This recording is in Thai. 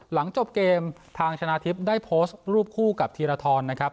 หลังจบเกมทางชนะทิพย์ได้โพสต์รูปคู่กับธีรทรนะครับ